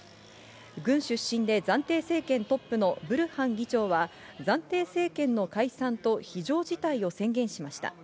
軍出身で暫定政権トップのブルハン議長は暫定政権の解散と非常事態を宣言しました。